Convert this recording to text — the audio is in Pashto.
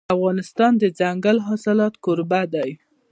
افغانستان د دځنګل حاصلات کوربه دی.